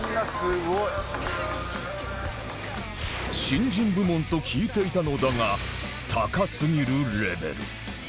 新人部門と聞いていたのだが高すぎるレベル